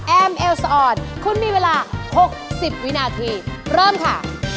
เอลสออนคุณมีเวลา๖๐วินาทีเริ่มค่ะ